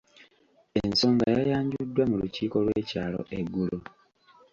Ensonga yayanjuddwa mu lukiiko lw’ekyalo eggulo.